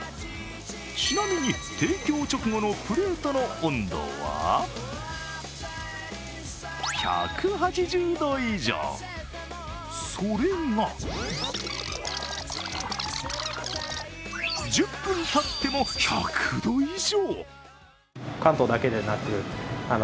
ちなみに提供直後のプレートの温度は、１８０度以上それが１０分たっても１００度以上。